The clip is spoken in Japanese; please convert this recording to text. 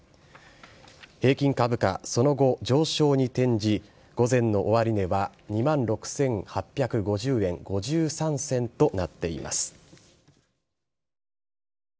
平均株価その後、上昇に転じ午前の終値は２万６８５０円５３銭となっています。